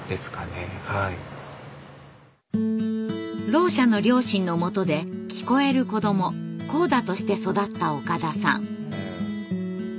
ろう者の両親のもとで聞こえる子ども「ＣＯＤＡ」として育った岡田さん。